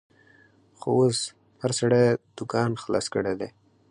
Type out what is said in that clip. خو اوس هر سړي دوکان خلاص کړیدی